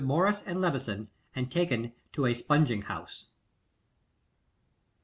Morris and Levison, and Taken to a Spunging House_.